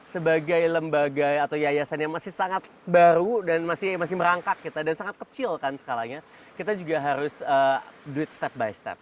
sebagai lembaga atau yayasan yang masih sangat baru dan masih merangkak kita dan sangat kecil kan skalanya kita juga harus duit step by step